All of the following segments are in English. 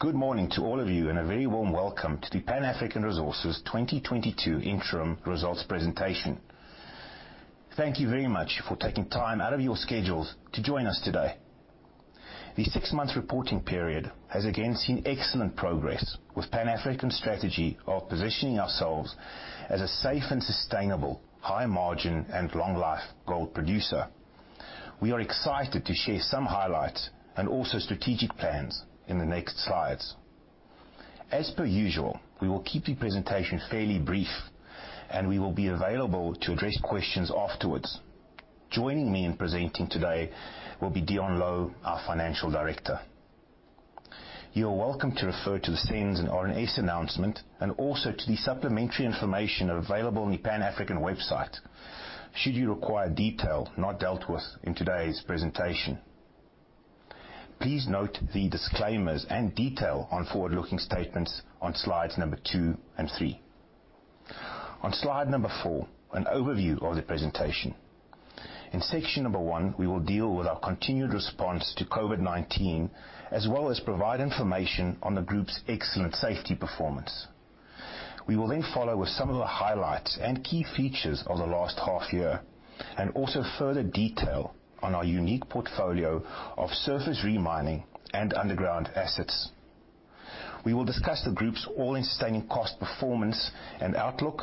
Good morning to all of you, and a very warm welcome to the Pan African Resources 2022 interim results presentation. Thank you very much for taking time out of your schedules to join us today. The six-month reporting period has again seen excellent progress with Pan African's strategy of positioning ourselves as a safe and sustainable high margin and long life gold producer. We are excited to share some highlights and also strategic plans in the next slides. As per usual, we will keep the presentation fairly brief, and we will be available to address questions afterwards. Joining me in presenting today will be Deon Louw, our Financial Director. You are welcome to refer to the SENS and RNS announcement, and also to the supplementary information available on the Pan African website should you require detail not dealt with in today's presentation. Please note the disclaimers and detail on forward-looking statements on slides number two and three. On slide number four, an overview of the presentation. In section number one, we will deal with our continued response to COVID-19, as well as provide information on the group's excellent safety performance. We will then follow with some of the highlights and key features of the last half year, and also further detail on our unique portfolio of surface re-mining and underground assets. We will discuss the group's all-in sustaining cost, performance and outlook,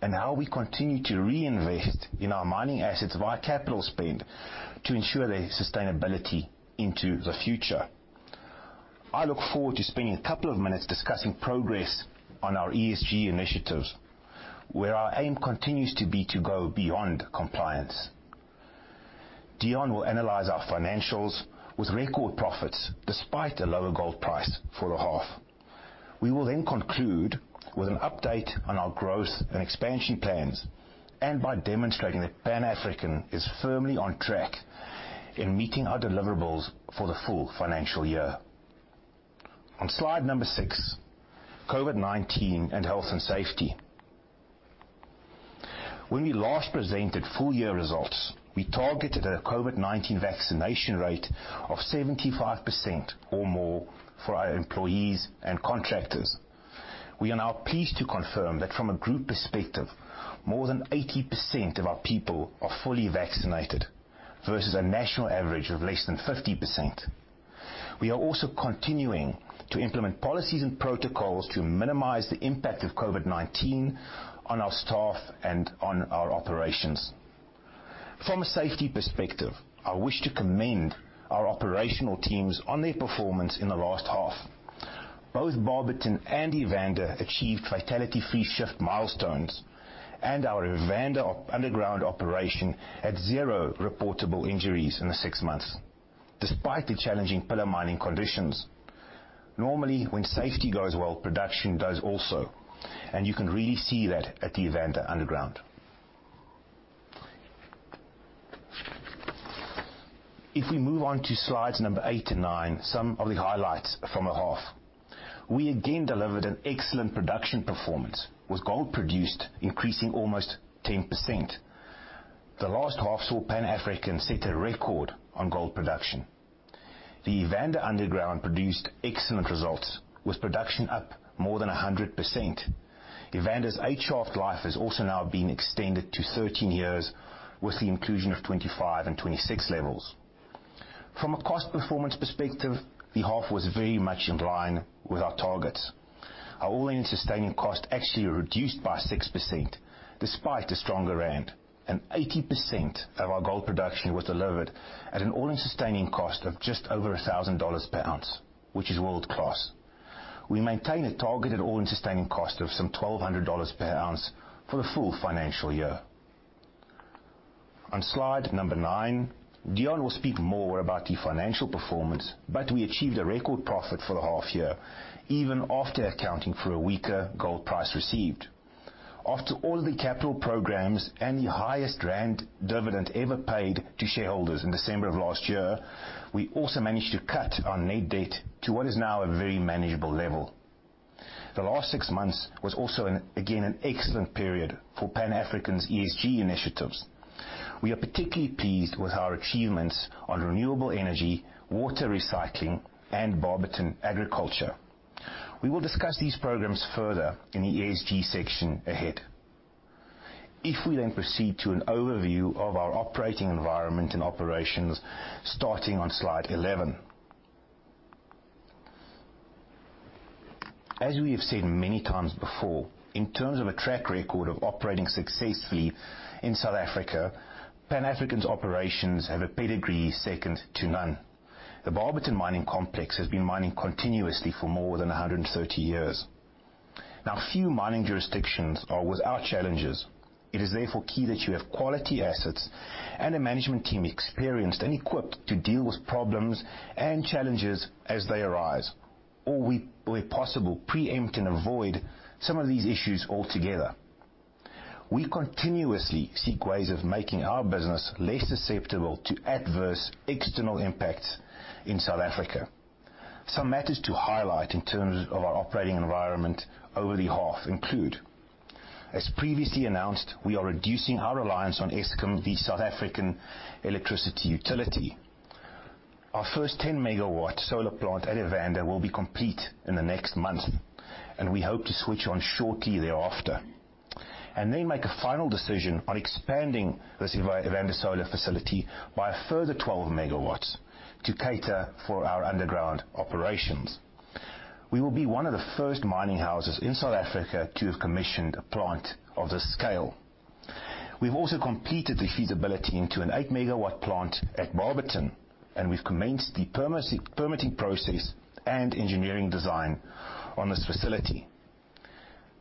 and how we continue to reinvest in our mining assets via capital spend to ensure their sustainability into the future. I look forward to spending a couple of minutes discussing progress on our ESG initiatives, where our aim continues to be to go beyond compliance. Deon will analyze our financials with record profits despite a lower gold price for the half. We will then conclude with an update on our growth and expansion plans, and by demonstrating that Pan African is firmly on track in meeting our deliverables for the full financial year. On slide six, COVID-19 and health and safety. When we last presented full year results, we targeted a COVID-19 vaccination rate of 75% or more for our employees and contractors. We are now pleased to confirm that from a group perspective, more than 80% of our people are fully vaccinated versus a national average of less than 50%. We are also continuing to implement policies and protocols to minimize the impact of COVID-19 on our staff and on our operations. From a safety perspective, I wish to commend our operational teams on their performance in the last half. Both Barberton and Evander achieved fatality-free shift milestones, and our Evander underground operation had zero reportable injuries in the six months, despite the challenging pillar mining conditions. Normally, when safety goes well, production does also, and you can really see that at the Evander underground. If we move on to slides number eight and nine, some of the highlights from the half. We again delivered an excellent production performance with gold produced increasing almost 10%. The last half saw Pan African set a record on gold production. The Evander underground produced excellent results, with production up more than 100%. Evander's Eight Shaft life has also now been extended to 13 years with the inclusion of 25 and 26 levels. From a cost performance perspective, the half was very much in line with our targets. Our all-in sustaining cost actually reduced by 6% despite the stronger rand, and 80% of our gold production was delivered at an all-in sustaining cost of just over $1,000 per ounce, which is world-class. We maintain a targeted all-in sustaining cost of some $1,200 per ounce for the full financial year. On slide nine, Deon will speak more about the financial performance, but we achieved a record profit for the half year, even after accounting for a weaker gold price received. After all the capital programs and the highest rand dividend ever paid to shareholders in December of last year, we also managed to cut our net debt to what is now a very manageable level. The last six months was also, again, an excellent period for Pan African's ESG initiatives. We are particularly pleased with our achievements on renewable energy, water recycling and Barberton agriculture. We will discuss these programs further in the ESG section ahead. If we then proceed to an overview of our operating environment and operations starting on slide 11. As we have said many times before, in terms of a track record of operating successfully in South Africa, Pan African's operations have a pedigree second to none. The Barberton Mining Complex has been mining continuously for more than 130 years. Now, few mining jurisdictions are without challenges. It is therefore key that you have quality assets and a management team experienced and equipped to deal with problems and challenges as they arise or where possible, preempt and avoid some of these issues altogether. We continuously seek ways of making our business less susceptible to adverse external impacts in South Africa. Some matters to highlight in terms of our operating environment over the half include. As previously announced, we are reducing our reliance on Eskom, the South African electricity utility. Our first 10 MW solar plant at Evander will be complete in the next month, and we hope to switch on shortly thereafter, and then make a final decision on expanding this Evander solar facility by a further 12 MW to cater for our underground operations. We will be one of the first mining houses in South Africa to have commissioned a plant of this scale. We've also completed the feasibility into an 8 MW plant at Barberton, and we've commenced the permitting process and engineering design on this facility.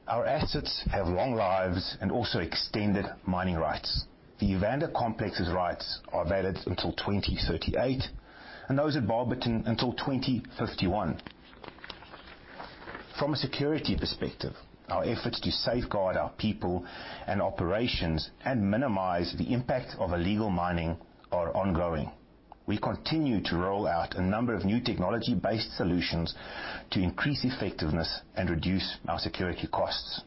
Our assets have long lives and also extended mining rights. The Evander complex's rights are valid until 2038, and those at Barberton until 2051. From a security perspective, our efforts to safeguard our people and operations and minimize the impact of illegal mining are ongoing. We continue to roll out a number of new technology-based solutions to increase effectiveness and reduce our security costs.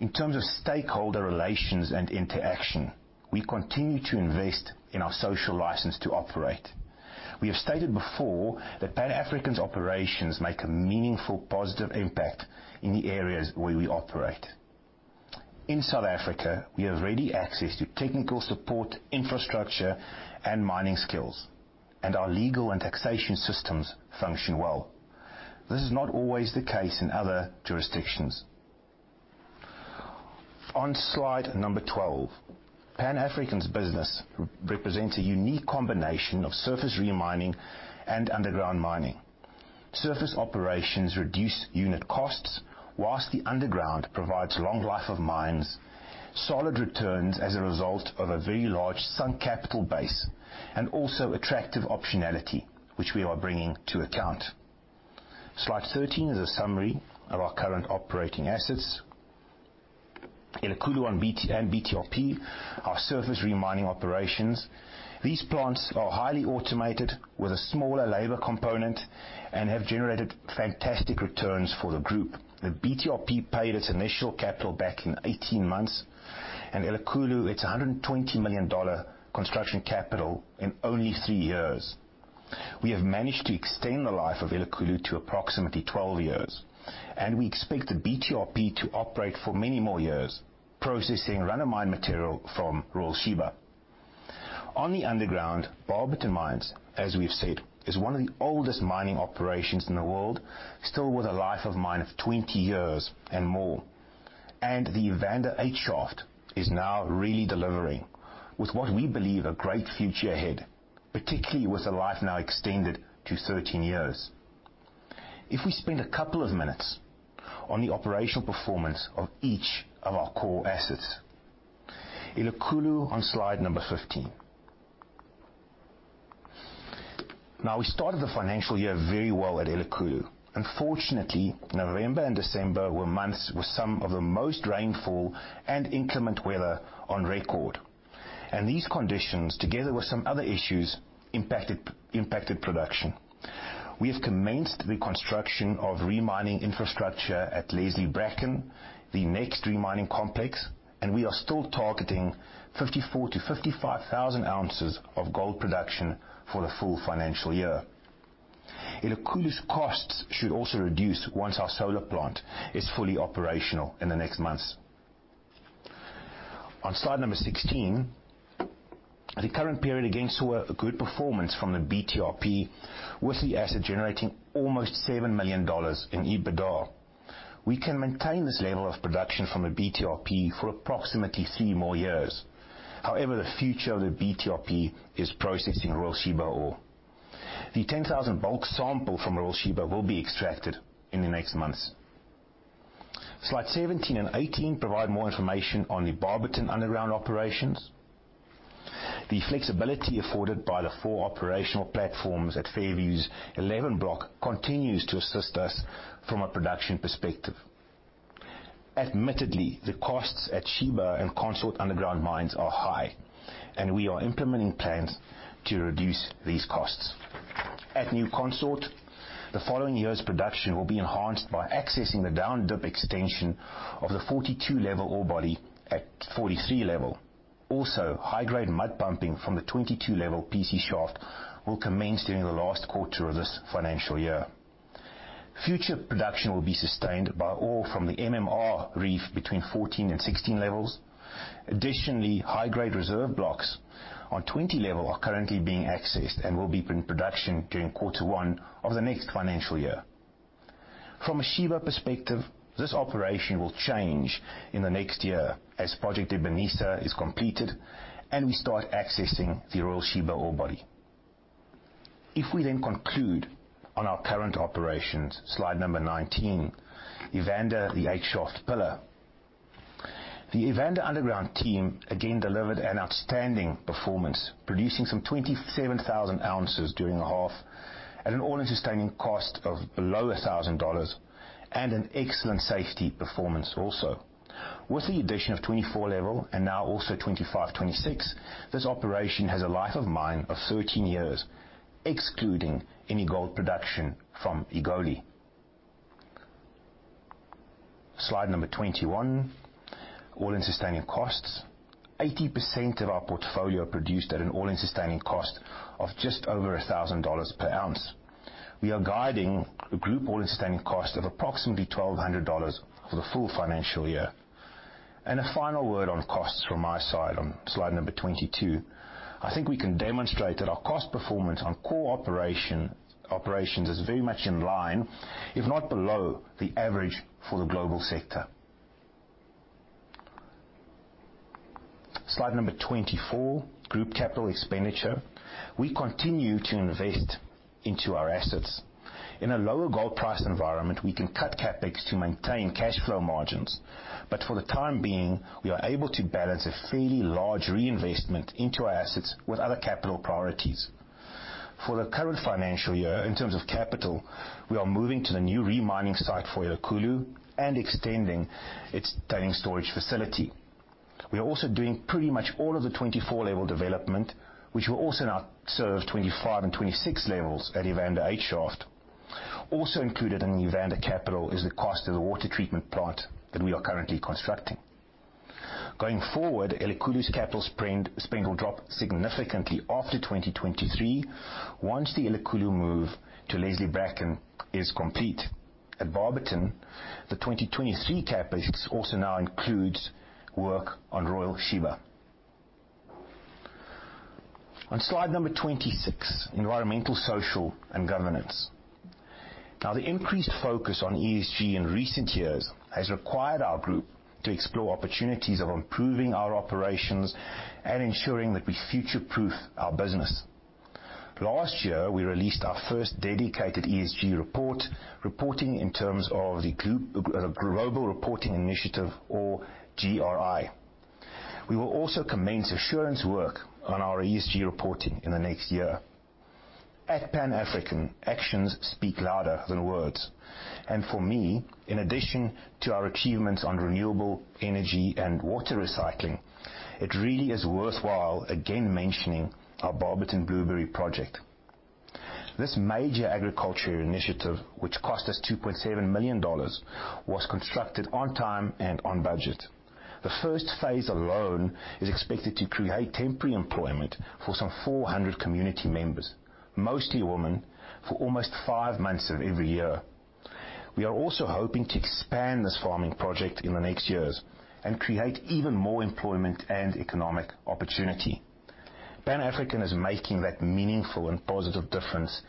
In terms of stakeholder relations and interaction, we continue to invest in our social license to operate. We have stated before that Pan African's operations make a meaningful, positive impact in the areas where we operate. In South Africa, we have ready access to technical support, infrastructure and mining skills, and our legal and taxation systems function well. This is not always the case in other jurisdictions. On slide number 12, Pan African's business represents a unique combination of surface re-mining and underground mining. Surface operations reduce unit costs, while the underground provides long life of mines, solid returns as a result of a very large sunk capital base, and also attractive optionality, which we are bringing to account. Slide 13 is a summary of our current operating assets. Elikhulu and BTRP, our surface re-mining operations. These plants are highly automated, with a smaller labor component, and have generated fantastic returns for the group. The BTRP paid its initial capital back in 18 months, and Elikhulu its $120 million construction capital in only three years. We have managed to extend the life of Elikhulu to approximately 12 years, and we expect the BTRP to operate for many more years, processing run-of-mine material from our Sheba. On the underground, Barberton Mines, as we've said, is one of the oldest mining operations in the world, still with a life of mine of 20 years and more. The Evander Eight Shaft is now really delivering with what we believe a great future ahead, particularly with the life now extended to 13 years. If we spend a couple of minutes on the operational performance of each of our core assets. Elikhulu on slide number 15. Now we started the financial year very well at Elikhulu. Unfortunately, November and December were months with some of the most rainfall and inclement weather on record. These conditions, together with some other issues, impacted production. We have commenced the construction of re-mining infrastructure at Leslie Bracken, the next re-mining complex, and we are still targeting 54,000-55,000 ounces of gold production for the full financial year. Elikhulu's costs should also reduce once our solar plant is fully operational in the next months. On slide 16, the current period again saw a good performance from the BTRP, with the asset generating almost $7 million in EBITDA. We can maintain this level of production from the BTRP for approximately three more years. However, the future of the BTRP is processing Royal Sheba ore. The 10,000 bulk sample from Royal Sheba will be extracted in the next months. Slide 17 and 18 provide more information on the Barberton underground operations. The flexibility afforded by the four operational platforms at Fairview's 11 Block continues to assist us from a production perspective. Admittedly, the costs at Sheba and Consort underground mines are high, and we are implementing plans to reduce these costs. At New Consort, the following year's production will be enhanced by accessing the down dip extension of the 42 level ore body at 43 level. High-grade mud pumping from the 22 level PC shaft will commence during the last quarter of this financial year. Future production will be sustained by ore from the MMR Reef between 14 and 16 levels. High-grade reserve blocks on 20 level are currently being accessed and will be in production during quarter one of the next financial year. From a Sheba perspective, this operation will change in the next year as Project Dibanisa is completed and we start accessing the Royal Sheba ore body. If we then conclude on our current operations, slide number 19, Evander, the eight Shaft pillar. The Evander underground team again delivered an outstanding performance, producing some 27,000 ounces during the half at an all-in sustaining cost of below $1,000 and an excellent safety performance also. With the addition of 24 level and now also 25 level, 26 level, this operation has a life of mine of 13 years, excluding any gold production from Egoli. Slide number 21, all-in sustaining costs. 80% of our portfolio are produced at an all-in sustaining cost of just over $1,000 per ounce. We are guiding a group all-in sustaining cost of approximately $1,200 for the full financial year. A final word on costs from my side on slide number 22. I think we can demonstrate that our cost performance on core operation, operations is very much in line, if not below the average for the global sector. Slide number 24, group capital expenditure. We continue to invest into our assets. In a lower gold price environment, we can cut CapEx to maintain cash flow margins. For the time being, we are able to balance a fairly large reinvestment into our assets with other capital priorities. For the current financial year, in terms of capital, we are moving to the new re-mining site for Elikhulu and extending its tailings storage facility. We are also doing pretty much all of the 24 level development, which will also now serve 25 level and 26 levels at Evander Eight Shaft. Also included in Evander capital is the cost of the water treatment plant that we are currently constructing. Going forward, Elikhulu's capital spend will drop significantly after 2023 once the Elikhulu move to Leslie Bracken is complete. At Barberton, the 2023 CapEx also now includes work on Royal Sheba. On slide number 26, environmental, social, and governance. The increased focus on ESG in recent years has required our group to explore opportunities of improving our operations and ensuring that we future-proof our business. Last year, we released our first dedicated ESG report, reporting in terms of the group, Global Reporting Initiative or GRI. We will also commence assurance work on our ESG reporting in the next year. At Pan African, actions speak louder than words. For me, in addition to our achievements on renewable energy and water recycling, it really is worthwhile again mentioning our Barberton Blue Project. This major agricultural initiative, which cost us $2.7 million, was constructed on time and on budget. The first phase alone is expected to create temporary employment for some 400 community members, mostly women, for almost five months of every year. We are also hoping to expand this farming project in the next years and create even more employment and economic opportunity. Pan African is making that meaningful and positive difference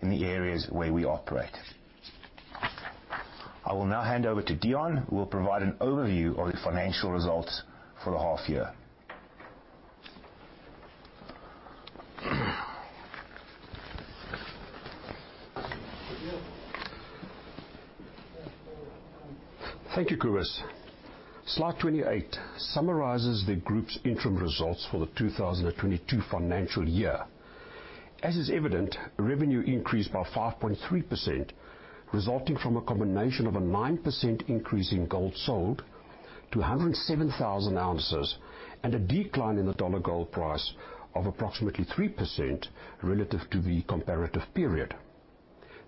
in the areas where we operate. I will now hand over to Deon, who will provide an overview of the financial results for the half year. Thank you, Cobus. Slide 28 summarizes the group's interim results for the 2022 financial year. As is evident, revenue increased by 5.3%, resulting from a combination of a 9% increase in gold sold to 107,000 ounces and a decline in the dollar gold price of approximately 3% relative to the comparative period.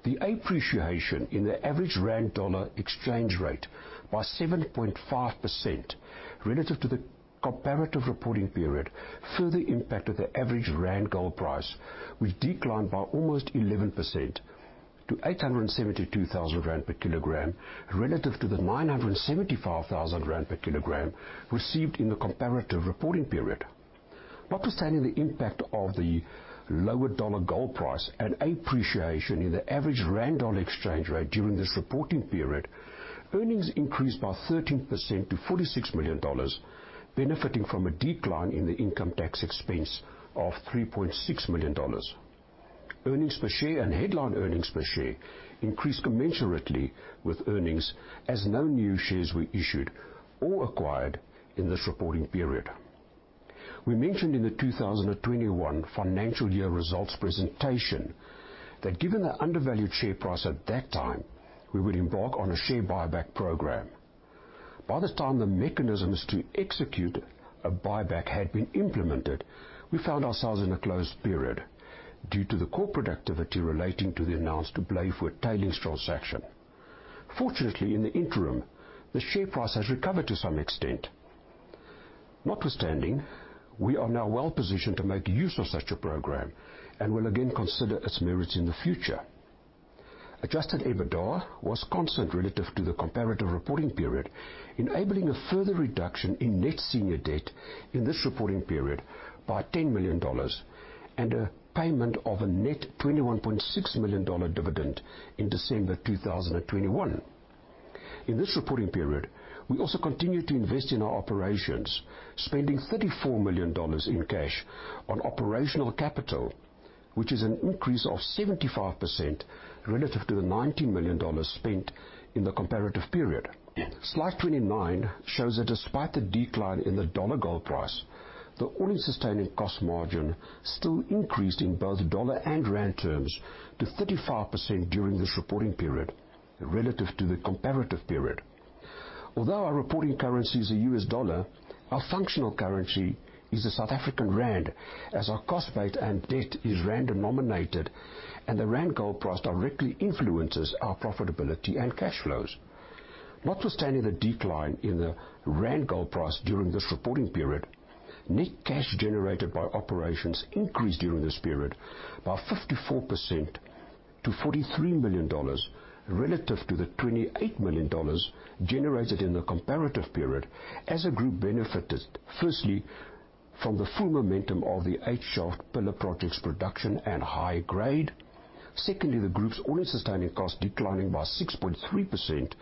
The appreciation in the average rand dollar exchange rate by 7.5% relative to the comparative reporting period further impacted the average rand gold price, which declined by almost 11% to 872,000 rand per kilogram relative to the 975,000 rand per kilogram received in the comparative reporting period. Notwithstanding the impact of the lower dollar gold price and appreciation in the average rand dollar exchange rate during this reporting period, earnings increased by 13% to $46 million, benefiting from a decline in the income tax expense of $3.6 million. Earnings per share and headline earnings per share increased commensurately with earnings, as no new shares were issued or acquired in this reporting period. We mentioned in the 2021 financial year results presentation that given the undervalued share price at that time, we would embark on a share buyback program. By the time the mechanisms to execute a buyback had been implemented, we found ourselves in a closed period due to the corporate activity relating to the announced Blyvoor tailings transaction. Fortunately, in the interim, the share price has recovered to some extent. Notwithstanding, we are now well-positioned to make use of such a program and will again consider its merits in the future. Adjusted EBITDA was constant relative to the comparative reporting period, enabling a further reduction in net senior debt in this reporting period by $10 million and a payment of a net $21.6 million dividend in December 2021. In this reporting period, we also continued to invest in our operations, spending $34 million in cash on operational capital, which is an increase of 75% relative to the $19 million spent in the comparative period. Slide 29 shows that despite the decline in the dollar gold price, the all-in sustaining cost margin still increased in both dollar and rand terms to 35% during this reporting period relative to the comparative period. Although our reporting currency is the US dollar, our functional currency is the South African rand, as our cost base and debt is rand denominated and the rand gold price directly influences our profitability and cash flows. Notwithstanding the decline in the rand gold price during this reporting period, net cash generated by operations increased during this period by 54% to $43 million relative to the $28 million generated in the comparative period, as a group benefited firstly from the full momentum of the Eight Shaft pillar project's production and high grade, secondly the group's all-in sustaining costs declining by 6.3%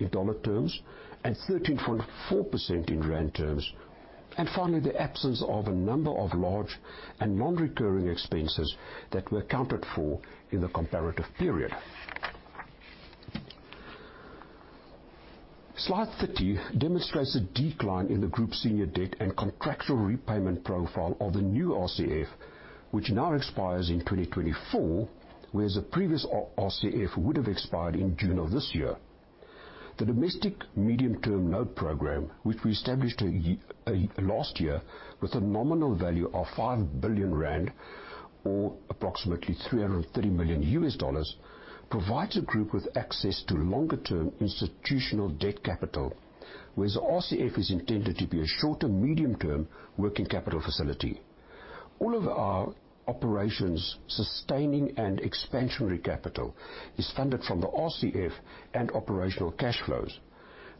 in dollar terms and 13.4% in rand terms, and finally the absence of a number of large and non-recurring expenses that were accounted for in the comparative period. Slide 30 demonstrates a decline in the group's senior debt and contractual repayment profile of the new RCF, which now expires in 2024, whereas the previous RCF would have expired in June of this year. The domestic medium-term note program, which we established last year with a nominal value of 5 billion rand, or approximately $330 million, provides the group with access to longer-term institutional debt capital, whereas RCF is intended to be a shorter medium-term working capital facility. All of our operations' sustaining and expansionary capital is funded from the RCF and operational cash flows.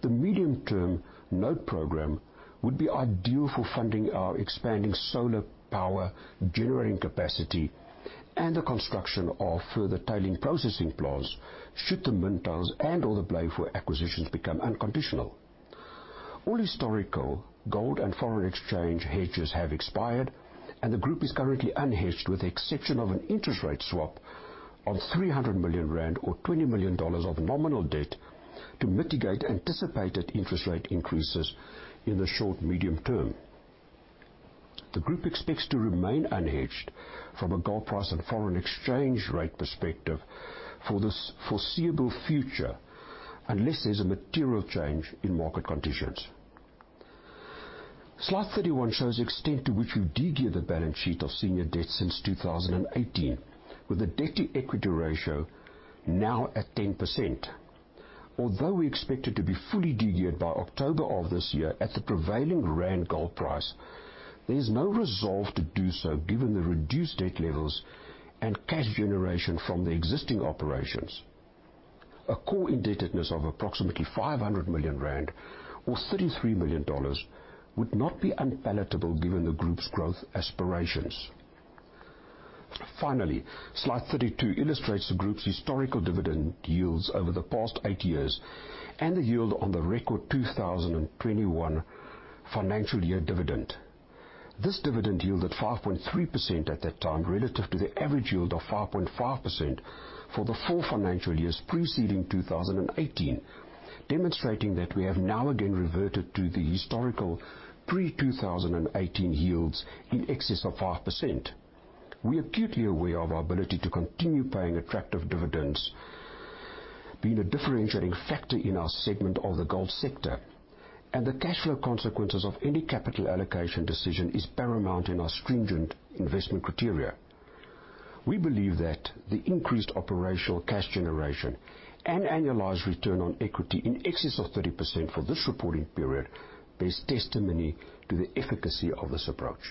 The medium-term note program would be ideal for funding our expanding solar power generating capacity and the construction of further tailings processing plants should the Mintails and/or the Blaaifontein acquisitions become unconditional. All historical gold and foreign exchange hedges have expired, and the group is currently unhedged with the exception of an interest rate swap of 300 million rand or $20 million of nominal debt to mitigate anticipated interest rate increases in the short-medium term. The group expects to remain unhedged from a gold price and foreign exchange rate perspective for the foreseeable future, unless there's a material change in market conditions. Slide 31 shows the extent to which we de-geared the balance sheet of senior debt since 2018, with the debt-to-equity ratio now at 10%. Although we expected to be fully de-geared by October of this year at the prevailing rand gold price, there's no rush to do so given the reduced debt levels and cash generation from the existing operations. A core indebtedness of approximately 500 million rand or $33 million would not be unpalatable given the group's growth aspirations. Finally, slide 32 illustrates the group's historical dividend yields over the past eight years and the yield on the record 2021 financial year dividend. This dividend yielded 5.3% at that time, relative to the average yield of 5.5% for the full financial years preceding 2018, demonstrating that we have now again reverted to the historical pre-2018 yields in excess of 5%. We are acutely aware of our ability to continue paying attractive dividends being a differentiating factor in our segment of the gold sector, and the cash flow consequences of any capital allocation decision is paramount in our stringent investment criteria. We believe that the increased operational cash generation and annualized return on equity in excess of 30% for this reporting period bears testimony to the efficacy of this approach.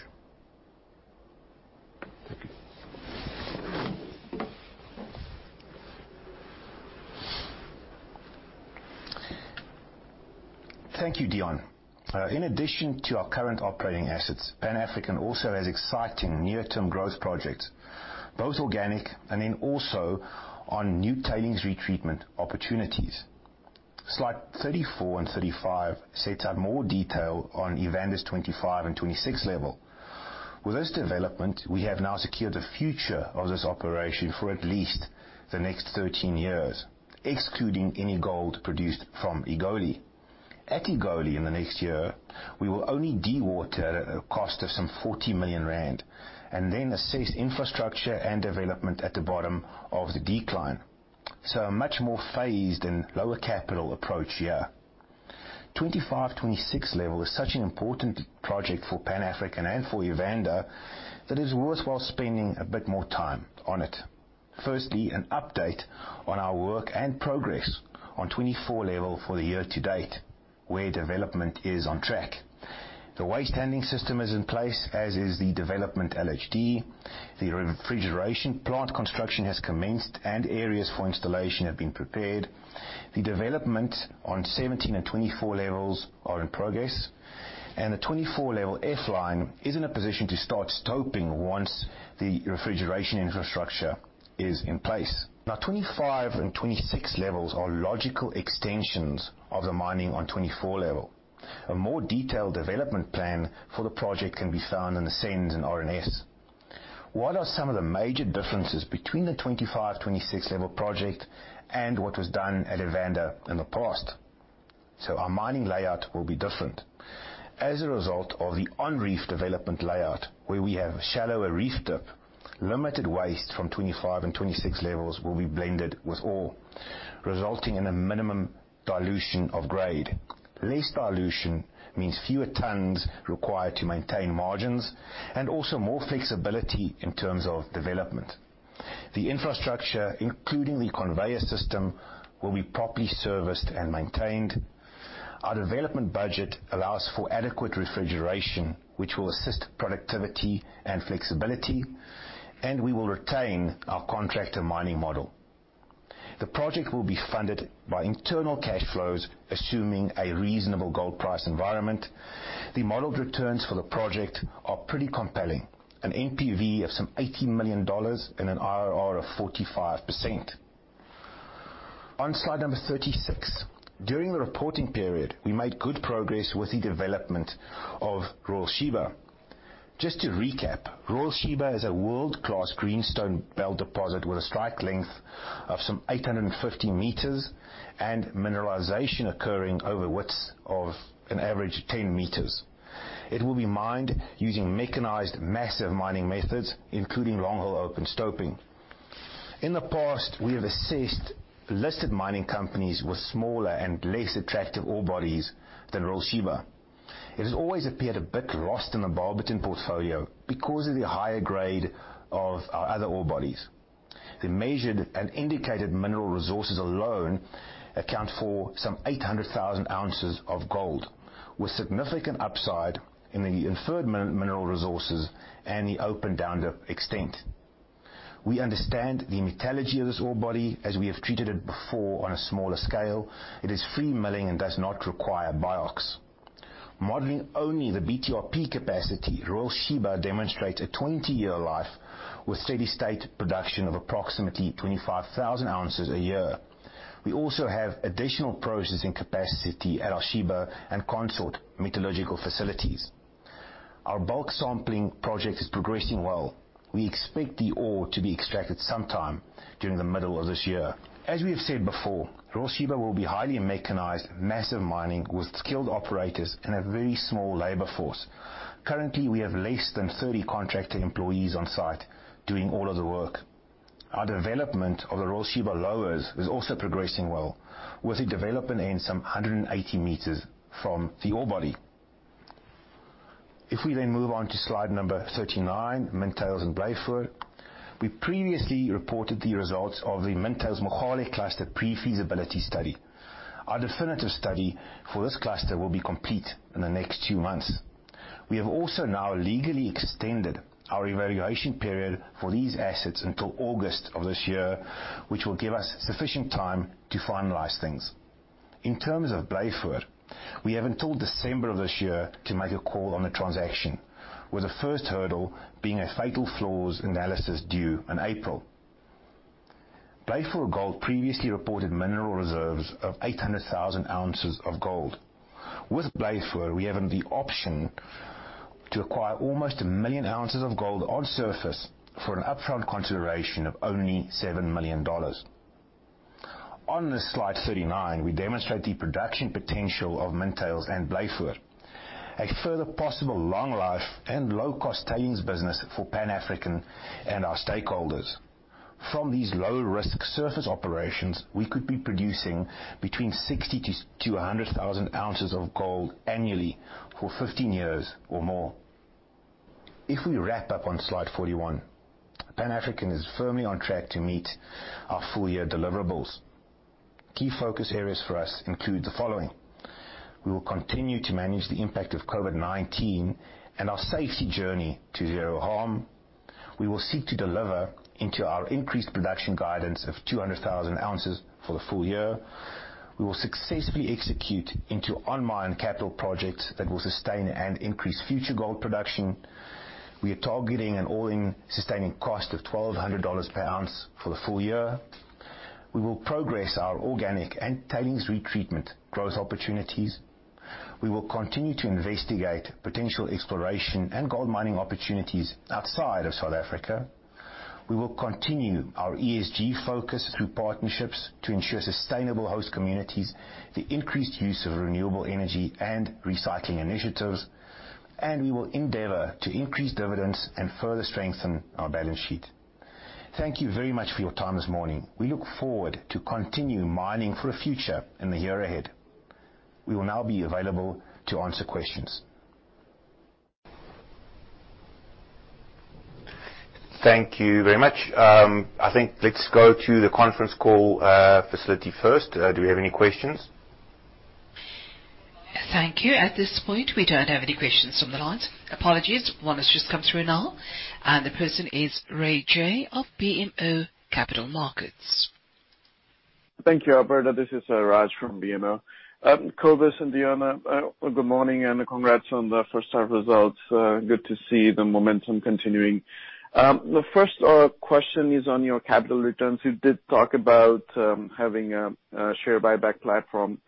Thank you. Thank you, Deon. In addition to our current operating assets, Pan African also has exciting near-term growth projects, both organic and inorganic, also on new tailings retreatment opportunities. Slide 34 and 35 sets out more detail on Evander's 25- and 26-level. With this development, we have now secured the future of this operation for at least the next 13 years, excluding any gold produced from Egoli. At Egoli in the next year, we will only dewater at a cost of some 40 million rand and then assess infrastructure and development at the bottom of the decline. A much more phased and lower capital approach here. 25, 26-level is such an important project for Pan African and for Evander that it's worthwhile spending a bit more time on it. First, an update on our work and progress on 24 level for the year to date, where development is on track. The waste handling system is in place, as is the development LHD. The refrigeration plant construction has commenced, and areas for installation have been prepared. The development on 17 and 24 levels are in progress, and the 24 level F line is in a position to start stoping once the refrigeration infrastructure is in place. Now, 25 and 26 levels are logical extensions of the mining on 24 level. A more detailed development plan for the project can be found in the SENS and RNS. What are some of the major differences between the 25/26 level project and what was done at Evander in the past? Our mining layout will be different. As a result of the on-reef development layout, where we have shallower reef dip, limited waste from 25 and 26 levels will be blended with ore, resulting in a minimum dilution of grade. Less dilution means fewer tons required to maintain margins and also more flexibility in terms of development. The infrastructure, including the conveyor system, will be properly serviced and maintained. Our development budget allows for adequate refrigeration, which will assist productivity and flexibility, and we will retain our contractor mining model. The project will be funded by internal cash flows, assuming a reasonable gold price environment. The modeled returns for the project are pretty compelling. An NPV of some $80 million and an IRR of 45%. On slide number 36, during the reporting period, we made good progress with the development of Royal Sheba. Just to recap, Royal Sheba is a world-class Greenstone Belt deposit with a strike length of some 850 meters and mineralization occurring over widths of an average 10 meters. It will be mined using mechanized, massive mining methods, including long-hole open stoping. In the past, we have assessed listed mining companies with smaller and less attractive ore bodies than Royal Sheba. It has always appeared a bit lost in the Barberton portfolio because of the higher grade of our other ore bodies. The measured and indicated mineral resources alone account for some 800,000 ounces of gold, with significant upside in the inferred mineral resources and the open down-dip extent. We understand the metallurgy of this ore body as we have treated it before on a smaller scale. It is free milling and does not require BIOX. Modeling only the BTRP capacity, Royal Sheba demonstrates a 20-year life with steady-state production of approximately 25,000 ounces a year. We also have additional processing capacity at our Sheba and Consort metallurgical facilities. Our bulk sampling project is progressing well. We expect the ore to be extracted sometime during the middle of this year. As we have said before, Royal Sheba will be highly mechanized, massive mining with skilled operators and a very small labor force. Currently, we have less than 30 contracted employees on-site doing all of the work. Our development of the Royal Sheba levels is also progressing well with the development in some 180 meters from the ore body. If we move on to slide number 39, Mintails and Blaaifontein. We previously reported the results of the Mintails Mogale Cluster pre-feasibility study. Our definitive study for this cluster will be complete in the next two months. We have also now legally extended our evaluation period for these assets until August of this year, which will give us sufficient time to finalize things. In terms of Blaaifontein, we have until December of this year to make a call on the transaction, with the first hurdle being a fatal flaws analysis due in April. Blaaifontein Gold previously reported mineral reserves of 800,000 ounces of gold. With Blaaifontein, we have the option to acquire almost 1 million ounces of gold on surface for an upfront consideration of only $7 million. On this slide 39, we demonstrate the production potential of Mintails and Blaaifontein, a further possible long life and low-cost tailings business for Pan African and our stakeholders. From these low-risk surface operations, we could be producing between 60-100 thousand ounces of gold annually for 15 years or more. If we wrap up on slide 41, Pan African is firmly on track to meet our full year deliverables. Key focus areas for us include the following. We will continue to manage the impact of COVID-19 and our safety journey to zero harm. We will seek to deliver into our increased production guidance of 200,000 ounces for the full year. We will successfully execute into on-mine capital projects that will sustain and increase future gold production. We are targeting an all-in sustaining cost of $1,200 per ounce for the full year. We will progress our organic and tailings retreatment growth opportunities. We will continue to investigate potential exploration and gold mining opportunities outside of South Africa. We will continue our ESG focus through partnerships to ensure sustainable host communities, the increased use of renewable energy and recycling initiatives, and we will endeavor to increase dividends and further strengthen our balance sheet. Thank you very much for your time this morning. We look forward to continue mining for a future in the year ahead. We will now be available to answer questions. Thank you very much. I think let's go to the conference call facility first. Do we have any questions? Thank you. At this point, we don't have any questions from the lines. Apologies. One has just come through now. The person is Raj Ray of BMO Capital Markets. Thank you, Alberta. This is Raj from BMO. Cobus and Deon, good morning and congrats on the first half results. Good to see the momentum continuing. The first question is on your capital returns. You did talk about having a share buyback platform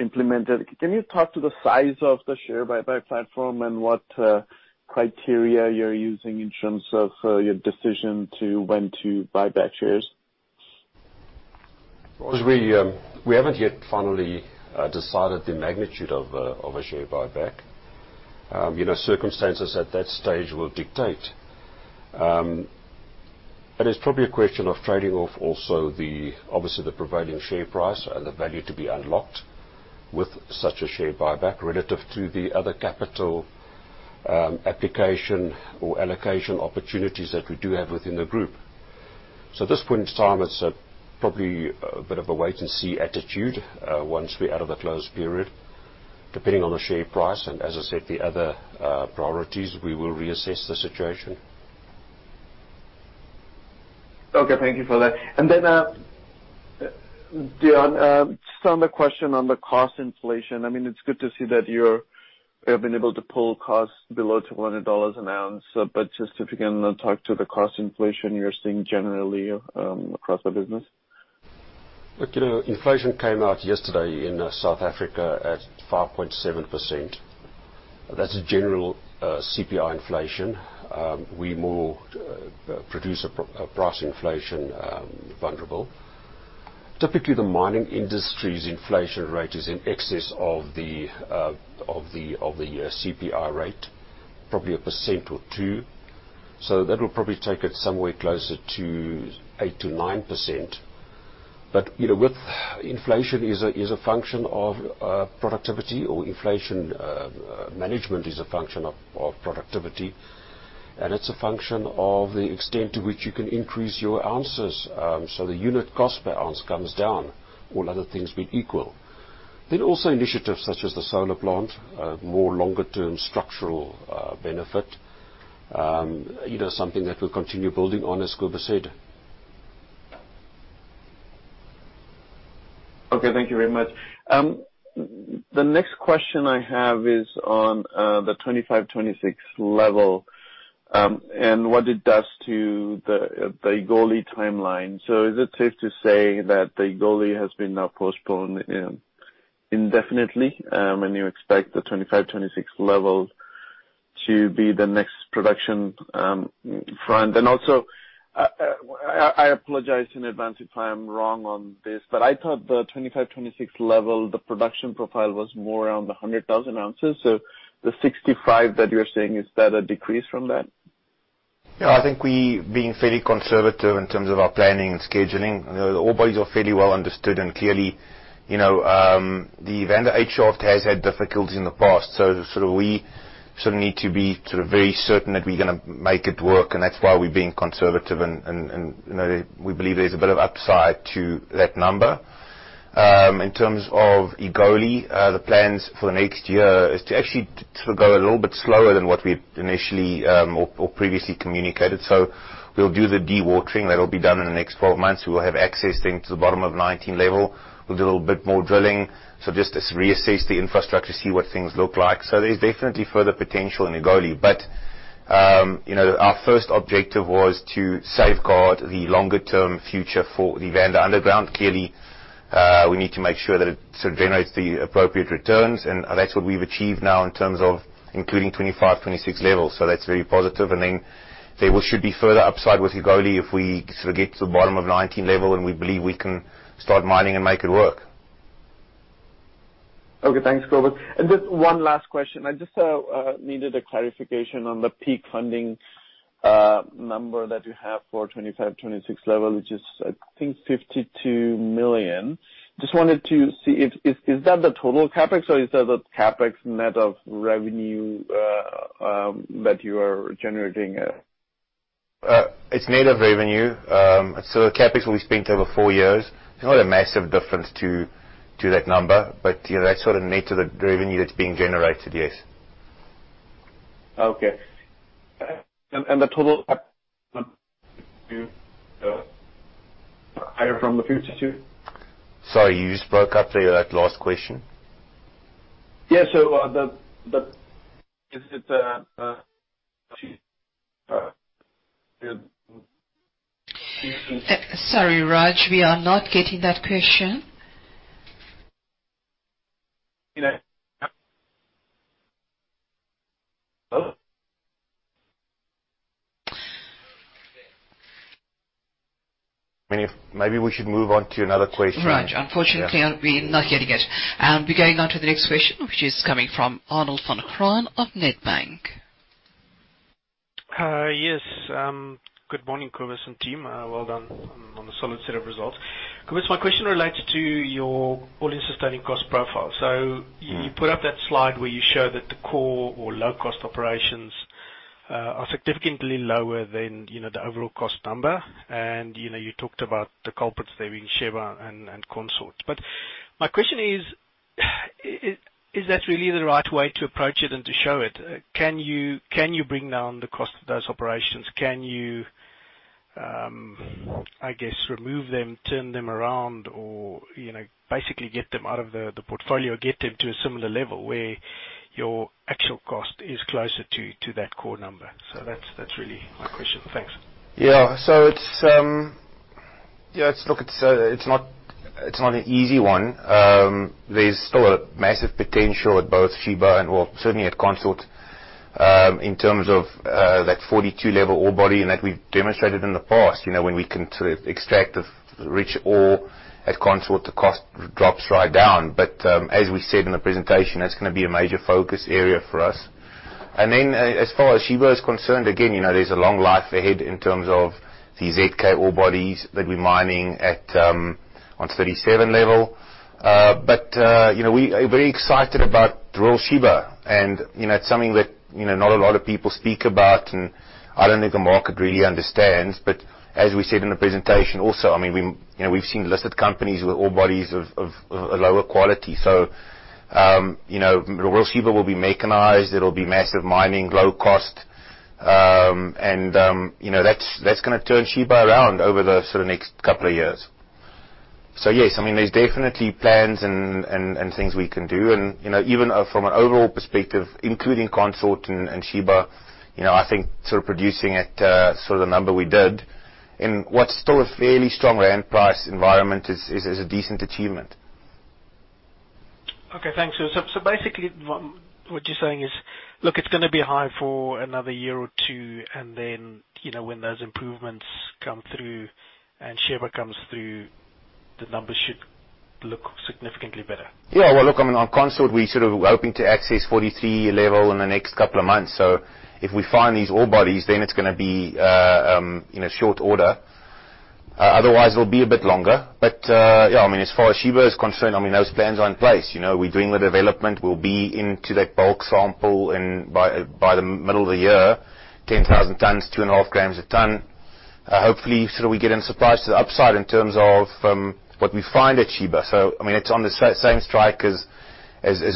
implemented. Can you talk to the size of the share buyback platform and what criteria you're using in terms of your decision to when to buy back shares? 'Cause we haven't yet finally decided the magnitude of a share buyback. You know, circumstances at that stage will dictate. It's probably a question of trading off also the obviously, the prevailing share price and the value to be unlocked with such a share buyback relative to the other capital, application or allocation opportunities that we do have within the group. At this point in time, it's probably a bit of a wait and see attitude. Once we're out of the closed period, depending on the share price and as I said, the other priorities, we will reassess the situation. Okay, thank you for that. Deon, just on the question on the cost inflation. I mean, it's good to see that you have been able to pull costs below $200 an ounce. Just if you can talk to the cost inflation you're seeing generally, across the business. Look, you know, inflation came out yesterday in South Africa at 5.7%. That's a general CPI inflation. We're more vulnerable to producer price inflation. Typically, the mining industry's inflation rate is in excess of the CPI rate, probably 1% or 2%. So that'll probably take it somewhere closer to 8%-9%. But, you know, inflation is a function of productivity. Inflation management is a function of productivity, and it's a function of the extent to which you can increase your ounces. So the unit cost per ounce comes down, all other things being equal. Also initiatives such as the solar plant provide more long-term structural benefit, you know, something that we'll continue building on, as Cobus said. Okay, thank you very much. The next question I have is on the 25-26 level and what it does to the Egoli timeline. Is it safe to say that the Egoli has been postponed indefinitely and you expect the 25-26 level to be the next production front? Also, I apologize in advance if I am wrong on this, but I thought the 25-26 level, the production profile was more around the 100,000 ounces. The 65 that you're saying, is that a decrease from that? Yeah, I think we're being fairly conservative in terms of our planning and scheduling. You know, the ore bodies are fairly well understood. Clearly, you know, the Evander 8 Shaft has had difficulties in the past. We sort of need to be very certain that we're gonna make it work. That's why we're being conservative and, you know, we believe there's a bit of upside to that number. In terms of Egoli, the plans for the next year are to actually go a little bit slower than what we initially or previously communicated. We'll do the dewatering. That'll be done in the next 12 months. We will have access then to the bottom of 19 level. We'll do a little bit more drilling. Just to reassess the infrastructure, see what things look like. There's definitely further potential in Egoli. Our first objective was to safeguard the longer-term future for the Evander underground. Clearly, we need to make sure that it sort of generates the appropriate returns, and that's what we've achieved now in terms of including 25, 26 levels. That's very positive. Then there should be further upside with Egoli if we sort of get to the bottom of 19 level and we believe we can start mining and make it work. Okay, thanks, Cobus. Just one last question. I just needed a clarification on the peak funding number that you have for 25/26 level, which is, I think, $52 million. Just wanted to see if that is the total CapEx or is that the CapEx net of revenue that you are generating? It's net of revenue. The CapEx will be spent over four years. It's not a massive difference to that number, but, you know, that's sort of net to the revenue that's being generated, yes. Okay. The total from the future too. Sorry, you just broke up there. That last question. Yeah. Is it? Sorry, Raj, we are not getting that question. You know, I mean, maybe we should move on to another question. Raj, unfortunately, we're not getting it. We're going on to the next question, which is coming from Arnold van Graan of Nedbank. Yes. Good morning, Cobus and team. Well done on the solid set of results. Cobus, my question relates to your all-in sustaining cost profile. Mm-hmm. You put up that slide where you show that the core or low-cost operations are significantly lower than, you know, the overall cost number. You talked about the culprits there being Sheba and Consort. But my question is that really the right way to approach it and to show it? Can you bring down the cost of those operations? Can you, I guess, remove them, turn them around or, you know, basically get them out of the portfolio, get them to a similar level where your actual cost is closer to that core number? That's really my question. Thanks. Yeah. It's yeah. Look, it's not an easy one. There's still a massive potential at both Sheba and, well, certainly at Consort, in terms of that 42-level ore body, and that we've demonstrated in the past. You know, when we can sort of extract the rich ore at Consort, the cost drops right down. As we said in the presentation, that's gonna be a major focus area for us. As far as Sheba is concerned, again, you know, there's a long life ahead in terms of the ZK ore bodies that we're mining at on 37 level. You know, we are very excited about Royal Sheba. You know, it's something that, you know, not a lot of people speak about, and I don't think the market really understands. As we said in the presentation also, I mean, we, you know, we've seen listed companies with ore bodies of a lower quality. You know, Royal Sheba will be mechanized. It'll be massive mining, low cost. You know, that's gonna turn Sheba around over the sort of next couple of years. Yes, I mean, there's definitely plans and things we can do. You know, even from an overall perspective, including Consort and Sheba, you know, I think sort of producing at sort of the number we did in what's still a fairly strong rand price environment is a decent achievement. Okay. Thanks. Basically what you're saying is, "Look, it's gonna be high for another year or two, and then, you know, when those improvements come through and Sheba comes through, the numbers should look significantly better. Yeah. Well, look, I mean, on Consort, we're sort of hoping to access 43 level in the next couple of months. If we find these ore bodies, then it's gonna be, you know, short order. Otherwise it'll be a bit longer. Yeah, I mean, as far as Sheba is concerned, I mean, those plans are in place, you know. We're doing the development. We'll be into that bulk sample by the middle of the year, 10,000 tons, 2.5 grams a ton. Hopefully sort of we get a surprise to the upside in terms of what we find at Sheba. I mean, it's on the same strike as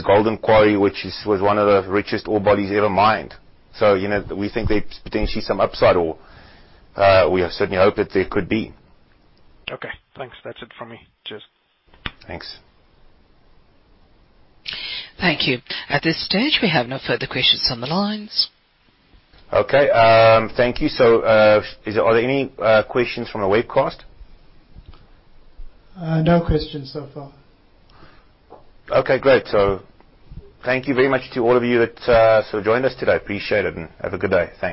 Golden Quarry, which was one of the richest ore bodies ever mined. You know, we think there's potentially some upside or we certainly hope that there could be. Okay, thanks. That's it from me. Cheers. Thanks. Thank you. At this stage, we have no further questions on the lines. Okay. Thank you. Are there any questions from the webcast? No questions so far. Okay, great. Thank you very much to all of you that sort of joined us today. Appreciate it, and have a good day. Thanks.